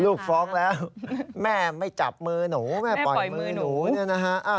ลูกฟ้องแล้วแม่ไม่จับมือหนูแม่ปล่อยมือหนู